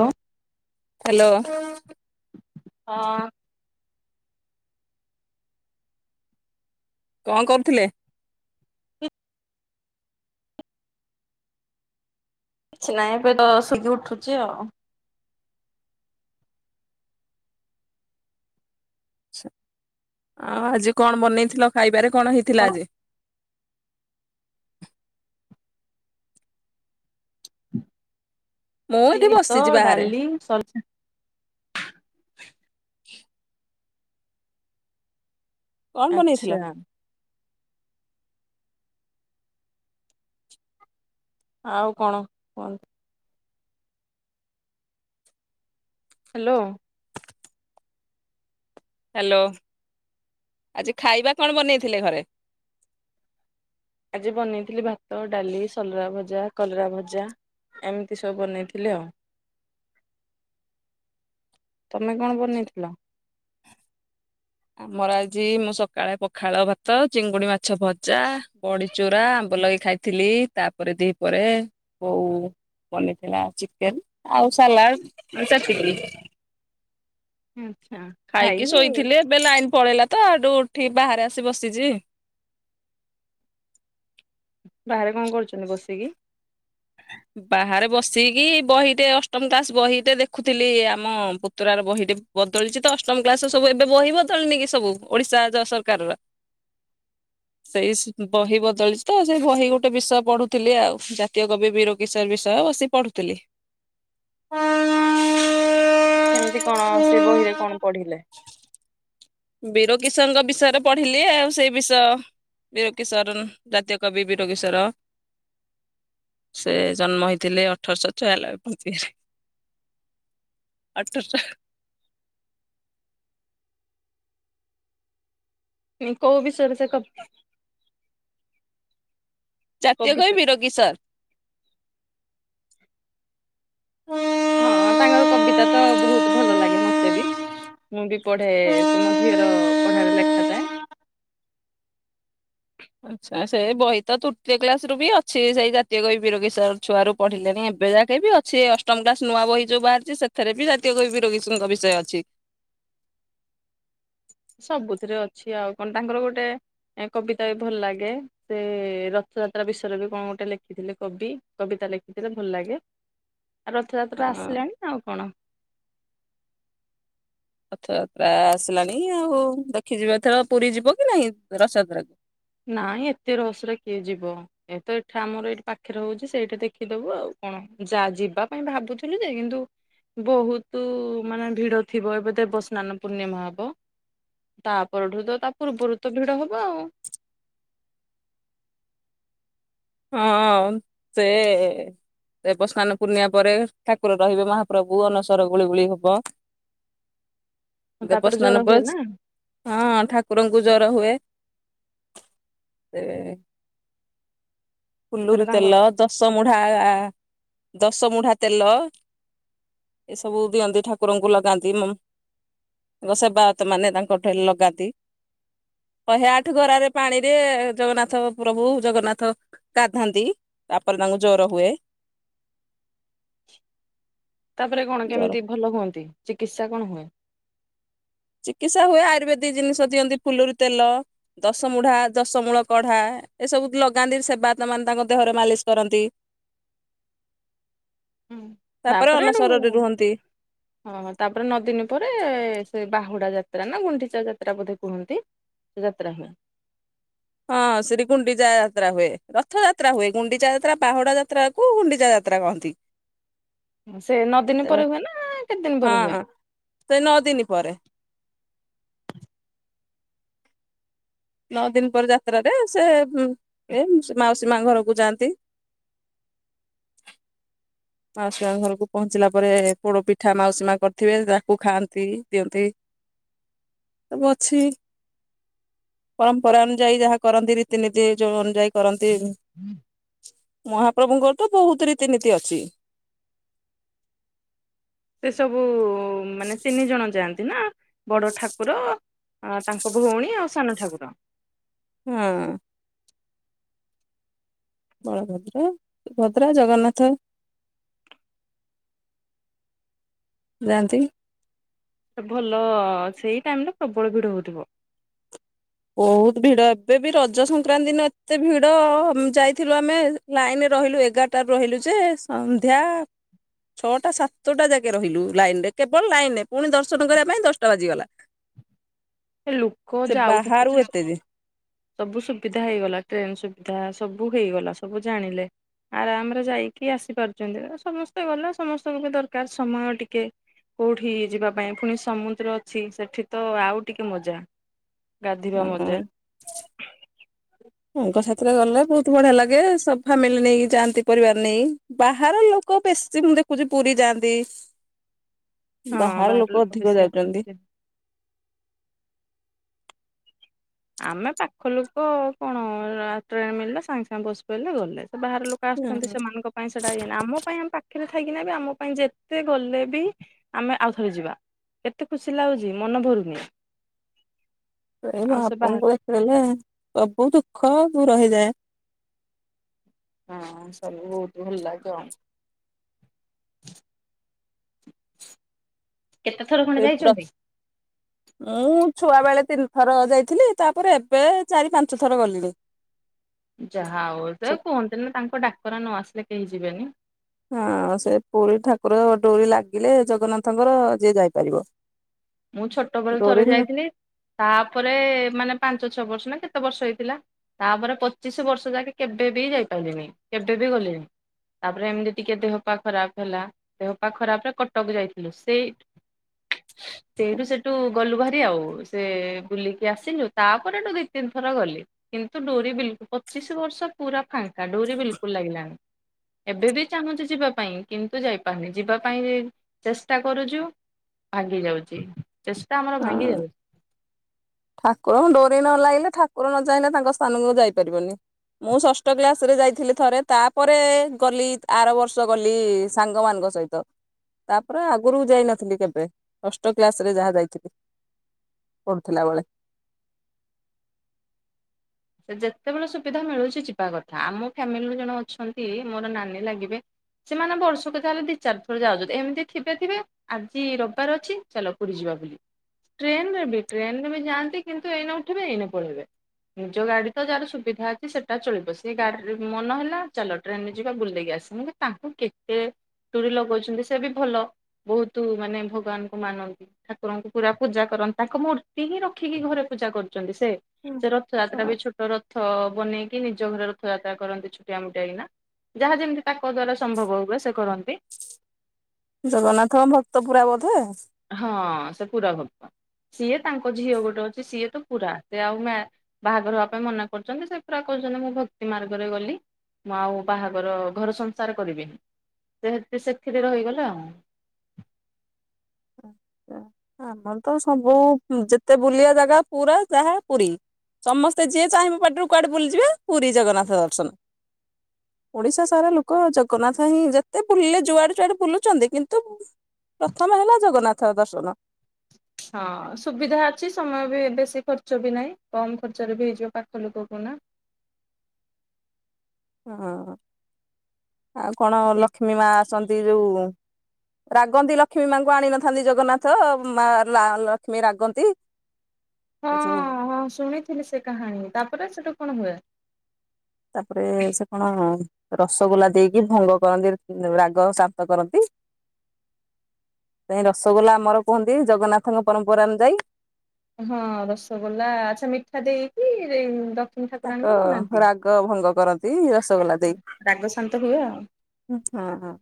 Hello. Hello. ହଁ। କଣ କରୁଥିଲେ? କିଛି ନାହିଁ ଏବେତ ଶୋଇକି ଉଠୁଚି ଆଉ। ଛ ଆଉ ଆଜି କଣ ବନେଇଥିଲ ଖାଇବାରେ କଣ ହେଇଥିଲା ଆଜି? ମୁଁ ଏଠି [unintelligible] ଭାତ ବସିଛି ବାହାରେ। ଡାଲି ସ ହ କଣ ବନେଇଥିଲ? ଆଚ୍ଛା। ଆଉ କଣ କୁହନ୍ତୁ। ହ୍ୟାଲୋ ହ୍ୟାଲୋ ଆଜି ଖାଇବା କଣ ବନେଇଥିଲେ ଘରେ। ଆଜି ବନେଇଥିଲି ଭାତ, ଡାଲି, ସଲରା ଭଜା, କଲରା ଭଜା। ଏମିତି ସବୁ ବନେଇଥିଲି ଆଉ। [inaudible] ତମେ କଣ ବନେଇଥିଲ। ଆମର ଆଜି ମୁଁ ସକାଳେ ପଖାଳ ଭାତ, ଚିଙ୍ଗୁଡି ମାଛ ଭଜା, ବଡି। ଚୁରା ଆମ୍ବ ଲାଗେ ଖାଇଥିଲି ତାପରେ ଦିପହରେ ବୋଉ ବନେଇଥିଲା ଚିକେନ ଆଉ ସାଲାଡ ସେତିକି। ଆଚ୍ଛା। ଖାଇକି ଖାଇନି ଶୋଇଥିଲି ଏବେ ଲାଇନ ପଳେଇଲା ତ ହେଠୁ ଉଠିକି ବାହାରେ ଆସି ବସିଛି। ବାହାରେ କଣ କରୁଛନ୍ତି ବସିକି। ବାହାରେ ବସିକି ବହିଟେ ଅଷ୍ଟମ କ୍ଲାସ ବହିଟେ ଦେଖୁଥିଲି ଆମ ପୁତୁରାର ବହିଟେ। ବଦଳିଛି ତ ଅଷ୍ଟମ କ୍ଲାସ ସବୁ ଏବେ ବହି ବଦଳିନି କି ସବୁ ଓଡିଶା ଯ ସରକାରର। ସେଇସ୍ ସେଇ ବହି ବଦଳିଚି ତ ସେଇ ବହି ଗୋଟେ ବିଷୟ ପଢୁଥିଲି ଆଉ ଜାତୀୟ କବି ବୀର କିଶୋର ବିଷୟ ବସି ପଢୁଥିଲି। କେମିତି କଣ ସେ ବହିରେ କଣ ପଢିଲେ। ବୀର କିଶୋରଙ୍କ ବିଷୟରେ ପଢିଲି ଆଉ ସେଇ ବିଷୟ। ବୀର କିଶୋରନ ଜାତୀୟ କବି ବୀର କିଶୋର। ସେ ଜନ୍ମ ହେଇଥିଲେ ଅଠରଶହ ଛୟାନବେ ପଞ୍ଚିରେ। ଆଠଶ ହ୍ କୋଉ ବିଷୟରେ ସେ କବି ଜାତୀୟ କବିତା କବି ବୀର କିଶୋର। ହଁ ତାଙ୍କର କବିତା ତ ବହୁତ ଭଲ ଲାଗେ ମତେ ବି। ମୁଁ ବି ପଢେ ସେ ମୋ ଝିଅର ପଢାରେ ଲେଖା ଥାଏ। ଆଚ୍ଛା ସେ ବହି ତ ତୃତୀୟ କ୍ଲାସ ରୁ ବି ଅଛି ସେଇ ଜାତୀୟ କବି ବୀର କିଶୋର ଛୁଆରୁ ପଢିଲେଣି ଏବେ ଯାକେ ବି ଅଛି। ସେ ଅଷ୍ଟମ କ୍ଲାସ ନୂଆ ବହି ଯୋଉ ବାହାରିଛି ସେଥିରେ ବି ଜାତୀୟ କବି ବୀର କିଶୋରଙ୍କ ବିଷୟ ଅଛି। ସବୁଥିରେ ଅଛି ଆଉ କଣ ତାଙ୍କର ଗୋଟେ କବିତା ବି ଭଲ ଲାଗେ। ସେ ରଥଯାତ୍ରା ବିଷୟରେ ବି କଣ ଗୋଟେ ଲେଖିଥିଲେ କବି କବିତା ଲେଖିଥିଲେ ଭଲ ଲାଗେ। ରଥଯାତ୍ରା ହଁ ଆସିଲାଣି ଆଉ କଣ। ରଥଯାତ୍ରା ଆସିଲାଣି ଆଉ ଦେଖିଯିବ ଏଥର ପୁରୀ ଯିବ କି ନାଇଁ ରଥଯାତ୍ରାକୁ ନାଇଁ ଏତେ ରସରେ କିଏ ଯିବ। ଏ ତ ଏଠା ଆମର ଏଇଠି ପାଖରେ ହଉଛି ସେଇଟା ଦେଖିଦବୁ ଆଉ କଣ ଯା ଯିବା ପାଇଁ ଭାବୁଥିଲୁ ଯେ କିନ୍ତୁ ବହୁତୁ ମାନେ ଭିଡ ଥିବ ଏବେ ଦେବସ୍ନାନ ପୂର୍ଣ୍ଣିମା ହବ। ତା ପରଠୁ ତ ତା ପୂର୍ବରୁ ତ ଭିଡ ହବ ଆଉ। ହଁ ସେ ଦେବସ୍ନାନ ପୂର୍ଣ୍ଣିଆ ପରେ ଠାକୁର ରହିବେ ମହାପ୍ରଭୁ ଅନସର ଗୁଳିଗୁଳି ହବ ତାପରେ ଜର ଦେବସ୍ନାନ ହୁଏ ନା ବସ୍ ହଁ ଠାକୁରଙ୍କୁ ଜର ହୁଏ ଏ ସେଟା ଫୁଲୁୁରୀ ତାଙ୍କ ତେଲ, ଦଶମୁଢା ଆ ଆ ଦଶମୁଢା ତେଲ ଏସବୁ ଦିଅନ୍ତି ଠାକୁରଙ୍କୁ ଲଗାନ୍ତି ମ ସେବାୟତ ମାନେ ତାଙ୍କଠେଇ ଲଗାନ୍ତି। ଶହେ ଆଠ ଗରାରେ ପାଣିରେ ଜଗନ୍ନାଥ ପ୍ରଭୁ ଜଗନ୍ନାଥ ଗାଧାନ୍ତି ତାପରେ ତାଙ୍କୁ ଜର ହୁଏ। ତାପରେ କଣ ଜର କେମିତି ଭଲ ହୁଅନ୍ତି? ଚିକିତ୍ସା କଣ ହୁଏ? ଚିକିତ୍ସା ହୁଏ ଆୟୁର୍ବେଦିକ ଜିନିଷ ଦିଅନ୍ତି ଫୁଲରୁ ତେଲ ଦଶମୂଢା ଦଶମୂଳ କଢା ଏସବୁ ଲଗାନ୍ତି ସେବାୟତମାନେ ତାଙ୍କ ଦେହରେ ମାଲିସ କରନ୍ତି। ହୁଁ ତାପରେ ଅନସରରେ ରୁହନ୍ତି। ହଁ ହଁ ତାପରେ ନଦିନ ପରେ ସେ ବାହୁଡା ଯାତ୍ରା ନା ଗୁଣ୍ଡିିଚା ଯାତ୍ରା ବୋଧେ କୁହନ୍ତି। ଯାତ୍ରା ହୁଏ। ହଁ ସେଠି ଗୁଣ୍ଡିଚା ଯାତ୍ରା ହୁଏ ରଥ ଯାତ୍ରା ହୁଏ ଗୁଣ୍ଡିଚା ଯାତ୍ରା ବାହୁଡା ଯାତ୍ରା କୋଉ ଗୁଣ୍ଡିଚା ଯାତ୍ରା କହନ୍ତି? ସେ ନଅ ଦିନ ପରେ ହୁଏ ନା କେତେ ଦିନ ପରେ ହୁଏ? ସେ ନଅ ଦିନି ପରେ। ନଅ ଦିନ ପରେ ଯାତ୍ରାରେ ସେ ଏ ମାଉସୀ ମା ଘରକୁ ଯାଆନ୍ତି ମାଉସୀ ମା ଘରକୁ ପହଞ୍ଚିଲା ପରେ ପୋଡ ପିଠା ମାଉସୀ ମା କରିଥିବେ ତାକୁ ଖାଆନ୍ତି ଦିଅନ୍ତି। ଆଉ ଅଛି ପରମ୍ପରା ଅନୁଯାୟୀ ଯାହା କରନ୍ତି ରୀତିନୀତି ଏ ଯୋଉ ଅନୁଯାୟୀ କରନ୍ତି ମହାପ୍ରଭୁଙ୍କର ତ ବହୁତ ରୀତିନୀତି ଅଛି। ସେ ସବୁ ମାନେ ତିନି ଜଣ ଯାଆନ୍ତି ନା ବଡ ଠାକୁର ତାଙ୍କ ଭଉଣୀ ଆଉ ସାନ ଠାକୁର ହଁ। ବଳଭଦ୍ର, ସୁଭଦ୍ରା, ଜଗନ୍ନାଥ। ଯାନ୍ତି। ଭଲ ସେଇ ଟାଇମରେ ପ୍ରବଳ ଭିଡ ହଉଥିବ। ବହୁତ ଭିଡ ଏବେ ବି ରଜ ସଂକ୍ରାନ୍ତି ଦିନ ଏତେ ଭିଡ ଯାଇଥିଲୁ ଆମେ। ଲାଇନରେ ରହିଲୁ ଏଗାରଟାରୁ ରହିଲୁ ଯେ ସନ୍ଧ୍ୟା ଛଅଟା ସାତଟା ଯାକେ ରହିଲୁ ଲାଇନ ରେ କେବଳ ଲାଇନରେ ପୁଣି ଦର୍ଶନ କରିବା ପାଇଁ ଦଶଟା ବାଜିଗଲା। ଏ ଲୋକ ସେ ଯାଉଛନ୍ତି ବାହାରୁ ନା ସେ ଏତେ ଯେ ସବୁ ସୁବିଧା ହେଇଗଲା ଟ୍ରେନ ସୁବିଧା ସବୁ ହେଇଗଲା ସବୁ ଜାଣିଲେ ଆରାମରେ ଯାଇକି ଆସିପାରୁଛନ୍ତି ସମସ୍ତେ ଗଲେ ସମସ୍ତଙ୍କୁ ବି ଦରକାର ସମୟ ଟିକେ କୋଉଠି ଯିବା ପାଇଁ ପୁଣି ସମୁଦ୍ର ଅଛି ସେଠି ତ ଆଉ ଟିକେ ମଜା। ଗାଧିବା ମଜା। [unintelligible] [inaudible] ସାଙ୍ଗ ସାଥିରେ ଗଲେ ବହୁତ ବଢିଆ ଲାଗେ ସବୁ ଫାମିଲି ନେଇକି ଯାଆନ୍ତି ପରିବାର ନେଇ ବାହାର ଲୋକ ଲୋକ ବେଶୀ ମୁଁ ଦେଖୁଛି ପୁରୀ ଯାଆନ୍ତି ହଁ ବାହାର ଲୋକ ଅଧିକ ବେଶୀ ଯାଉଛନ୍ତି। ଆସନ୍ତି। ଆମେ ପାଖ ଲୋକ କଣ ଟ୍ରେନ ମିଳିଲେ ସାଙ୍ଗେ ସାଙ୍ଗେ ବସି ପାଇଲେ ଗଲେ। ବାହାରେ ଲୋକ ଆସୁଛନ୍ତି ହୁଁ ସେମାନଙ୍କ ପାଇଁ ସେଟା ହେଇଏନି ଆମ ପାଇଁ ଆମେ ପାଖରେ ଥାଇକିନା ବି ଆମ ପାଇଁ ଯେତେ ଗଲେ ବି ଆମେ ଆଉଥରେ ଯିବା କେତେ ଖୁସି ଲାଗୁଛି ମନ ଭରୁନି। ଏଇ ମା ଆଉ ସେ ବାହାର [unintelligible] ସବୁ ଦୁଃଖ ଦୂର ହେଇଯାଏ। ହଁ ସବୁ ବହୁତ ଭଲ [unintelligible] [unintelligible] କେତେ ଥର ଖଣ୍ଡେ ଯାଇଛନ୍ତି? [unintelligible] ମୁଁ ଛୁଆ ବେଳେ ତିନି ଥର ଯାଇଥିଲି ତାପରେ ଏବେ ଚାରି ପାଞ୍ଚ ଥର ଗଲିଣି ଯାହା ହଉ ତ କୁହନ୍ତି ନା ତାଙ୍କ ଡାକରା ନ ଆସିଲେ କେହି ଯିବେନି। ହଁ ସେ ପୁରୀ ଠାକୁର ଡୋରି ଲାଗିଲେ ଜଗନ୍ନାଥଙ୍କର ଯିଏ ଯାଇପାରିବ। ମୁଁ ଛୋଟବେଳେ ଡୋରି ଥରେ ନ ଯାଇଥିଲି ତାପରେ ମାନେ ପାଞ୍ଚ ଛଅ ବର୍ଷ ନା କେତେ ବର୍ଷ ହେଇଥିଲା। ତାପରେ ପଚିଶ ବର୍ଷ ଯାକେ କେବେ ବି ଯାଇପାରିଲନି କେବେ ବି ଗଲିଣିି। ତାପରେ ଏମିତି ଟିକେ ଦେହ ପା ଖରାପ ହେଲା ଦେହପା ଖରାପ ରେ କଟକ ଯାଇଥିଲୁ। ସେ [inaudible] ସେଇଠୁ ସେଇଠୁ ଗଲୁ ଭାରି ଆଉ ସେ ବୁଲିକି ଆସିଲୁ ତାପରେ ଦୁଇ ତିନି ଥର ଗଲି। କିନ୍ତୁ ଡୋରି ବିଲକୁଲ ପଚିଶି ବର୍ଷ ପୁରା ଫାଙ୍କା ଡୋରି ବିଲକୁଲ ଲାଗିଲାଣିି। ଏବେ ବି ଚାହୁଁଛି ଯିବା ପାଇଁ କିନ୍ତୁ ଯାଇପାରୁନି ଯିବା ପାଇଁ ଚେଷ୍ଟା କରୁଛୁ। ଭାଙ୍ଗି ଯାଉଛି ଚେଷ୍ଟା ଆମର ଭାଙ୍ଗି ଯାଉଛି। ଠାକୁରଙ୍କୁ ଡୋରି ନ ଲାଗିଲେ ଠାକୁର ନ ଯାଇଁଲେ ତାଙ୍କ ସ୍ଥାନକୁ ଯାଇପାରିବନି। ମୁଁ ଷଷ୍ଠ କ୍ଳାସ ରେ ଯାଇଥିଲି ଥରେ ତାପରେ ଗଲି ଆର ବର୍ଷ ଗଲି ସାଙ୍ଗ ମାନଙ୍କ ତାପରେ ଆଗରୁକୁ ଯାଇ ନଥିଲି କେବେ ଷଷ୍ଟ କ୍ଲାସ୍ ରେ ଯାହା ଯାଇଥିଲି। ପଡୁଥିଲା ବେଳେ। ସେ ଯେତେବେଳେ ସୁବିଧା ମିଳୁଛି ଯିବା କଥା। ଆମ ଫ୍ୟାମିଲିରୁ ଜଣେ ଅଛନ୍ତି ମୋର ନାନୀ ଲାଗିବେ- ସେମାନେ ବର୍ଷକ ତାହ ହେଲେ ଦି ଚାରି ଥରେ ଯାଉଛନ୍ତି। ଏମିତି ଥିବେ ଥିବେ ଆଜି ରବିବାର ଅଛି ଚାଲ ପୁରୁରୀ ଯିବା ବୁଲି। ଟ୍ରେନ ରେ ବି ଟ୍ରେନ ରେ ବି ଯାଆନ୍ତି କିନ୍ତୁ ଏଇନେ ଉଠିବେ ଏଇନା ଲେଇବେ। ନିଜ ଗାଡି ତ ଯାହାର ସୁବିଧା ଅଛି ସେଟା ଚଳିବ ସେ ଗାଡ଼ିରେ ମନ ହେଲା ଚାଲ ଟ୍ରେନରେ ଯିବା ବୁଲ ଦେଇେଇକି ଆସେ। ତାଙ୍କୁ କେତେ ଡୋରି ଲଗଉଛନ୍ତି ସେ ବି ଭଲ ବହୁତ ମାନେ ଭଗବାନଙ୍କୁ ମାନନ୍ତି। ଠାକୁରଙ୍କୁ ପୁରା ପୂଜା କରନ୍ତି ତାଙ୍କ ମୂର୍ତ୍ତି ହିଁ ରଖିକି ଘରେ ପୂଜା କରନ୍ତି। ସେ ସେ ରଥଯାତ୍ରା ବି ଛୋଟ ର ରଥ ବନେଇକି ନିଜ ଘରେ ରଥ ଯାତ୍ରା କରନ୍ତି ଛୁଟିଆ ମୁୁଟିଆ କିନା। ଯାହା ଯେମିତି ତାଙ୍କ ଦ୍ଵାରା ସମ୍ଭବ ହୁଏ ସେ କରନ୍ତି। ଜଗନ୍ନାଥଙ୍କ ଭକ୍ତ ପୁରା ବୋଧେ। ହଁ ସେ ପୁରା ଭକ୍ତ ସିଏ ତାଙ୍କ ଝିଅ ଗୋଟେ ଅଛି ସିଏ ତ ପୁରା ସେ ଆଉ ବାହାଘର ହେବା ପାଇଁ ମନା କରୁଛନ୍ତି ସେ ପୁରା କହୁଛନ୍ତି ମୁଁ ଭକ୍ତି ମାର୍ଗରେ ଗଲି। ମୁଁ ଆଉ ବାହାଘର ଘର ସଂସାର କରିବିନି। ସେ ସେଥିରେ ରହିଗଲା ଆଉ। ଆମର ତ ସବୁ ଯେତେ ବୁଲିବା ଜାଗା ପୁରା ଯାହା ପୁରୀ। ସମସ୍ତେ ଯିଏ ଚାହିଁବୋ ପାଟିରୁ କୁଆଡେ ବୁଲିଯିବା ପୁରୀ ଜଗନ୍ନାଥ ଦର୍ଶନ। ଓଡିଶା ସାରା ଲୋକ ଜଗନ୍ନାଥ ହିଁ ଯେତେ ବୁଲିଲେ ଯୁଆଡେ ଯୁଆଡେ ବୁଲୁଛନ୍ତି କିନ୍ତୁ ପ୍ରଥମ ହେଲା ଜଗନ୍ନାଥ ଦର୍ଶନ। ହଁ ସୁବିଧା ଅଛି ସମୟ ବି ବେଶୀ ଖର୍ଚ୍ଚ ବି ନାହିଁ କମ ଖର୍ଚରେ ବି ହେଇଯିବ ପାଖ ଲୋକ କନା। ହଁ ଆଉ କଣ ସେଇ ଲକ୍ଷ୍ମୀ ମା ଆସନ୍ତି ଯୋଉ ରାଗନ୍ତି ଲକ୍ଷ୍ମୀ ମାଙ୍କୁ ଆଣ ନଥାନ୍ତି ଜଗନ୍ନାଥ ମା ଲକ୍ଷ୍ମୀ ରାଗନ୍ତି। ହଁ ହଁ ଶୁଣିଥିଲି ସେ କାହାଣୀ ତାପରେ ସେଠୁ କଣ ହୁଏ? ତାପରେ ସେ କଣ ରସଗୋଲା ଦେଇକି ଭଙ୍ଗ କରନ୍ତି ରାଗ ଶାନ୍ତ କରନ୍ତି। ରସଗୋଲା ଆମର କୁହନ୍ତି ଜଗନ୍ନାଥଙ୍କ ପରମ୍ପରା ଅନୁଯାୟୀ। ହଁ ରସଗୋଲା ଆଚ୍ଛା ମିଠା ଦେଇକି ଦକ୍ଷିଣୀ ତାଙ୍କ ଠାକୁରାଣୀଙ୍କୁ ବନାନ୍ତି। ରାଗ ଭଙ୍ଗ କରନ୍ତି ରସଗୋଲା ଦେଇକୀ। ରାଗ ଶାନ୍ତ ହୁଏ ଆଉ। ହଁ ହଁ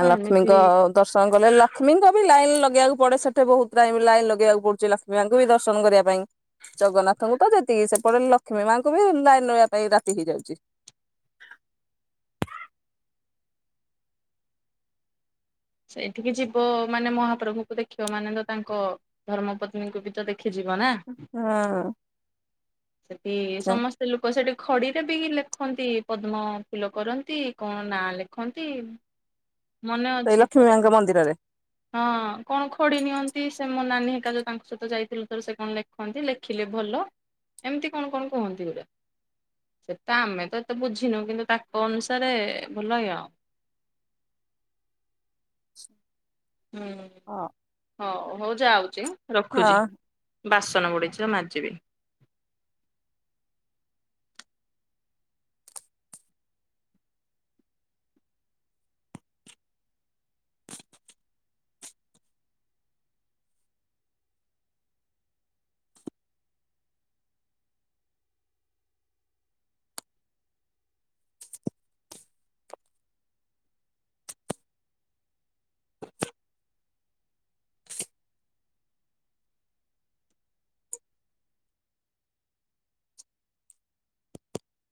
ଆ ହଁ ଏମିତି ଲକ୍ଷ୍ମୀଙ୍କ ଦର୍ଶନ କଲେ ଲକ୍ଷ୍ମୀଙ୍କ ବି ଲାଇନ୍ ଲଗେଇକୁ ପଡେ ସେଠି ବହୁତ ଟାଇମ ଲାଇନ୍ ଲଗେଇବାକୁ ପଡୁଛି ଲକ୍ଷ୍ମୀ ପଙ୍କୁ ବି ଦର୍ଶନ କରିବା ପାଇଁ। ଜଗନ୍ନାଥଙ୍କୁ ତ ଯେତିକି ସେପଟେ ଲକ୍ଷ୍ମୀ ମାଙ୍କୁ ବି ଲାଇନ ରବା ପାଇଁ ରାତି ହେଇଯାଉଛି। ସେଇଠିକି ଯିବ ମାନେ ମହାପ୍ରଭୁଙ୍କୁ ଦେଖିବ ମାନେ ତ ତାଙ୍କ ଧର୍ମ ପତ୍ନୀଙ୍କୁ ବି ତ ଦେଖିଯିବ ନା। ହଁ। ସେଠି ସମସ୍ତେ ସେ ଲୋକ ସେଠି ଖଡିରେ ବି ଲେଖନ୍ତି ପଦ୍ମ ଫୁଲ କରନ୍ତି କଣ ନାଁ ଲେଖନ୍ତି ମନେ ଅଛି ସେଇ ଲକ୍ଷ୍ମୀ ଥରେ ମାଙ୍କ ମନ୍ଦିରରେ? ହଁ କଣ ଖଡି ନିଅନ୍ତି ସେ ମୋ ନାନୀ ହେରିକା ତାଙ୍କ ସହିତ ଯାଇଥିଲୁ ଥରେ ସେ କଣ ଲେଖ କୁହନ୍ତି ଲେଖିଲେ ଭଲ। ଏମିତି କଣ କଣ କୁହନ୍ତି ଗୁରେ। ସେଟା ଆମେ ତ ଏତେ ବୁଝିନୁ କିନ୍ତୁ ତାଙ୍କ ଅନୁସାରେ ଭଲ ଲ ଆଛ [inaudible] ହୁଁ ହଁ ହଉ ଯାଉଛି ରଖୁଛି। ହଁ। ବାସନ ପଡିଛି ତ ମାଜିବି।